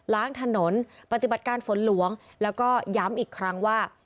ล้างถนนปฏิบัติการฝนหลวงแล้วก็ย้ำอีกครั้งว่า